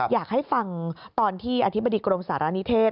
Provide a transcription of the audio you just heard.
อยากให้ฟังตอนที่อธิบดีกรมสารณิเทศ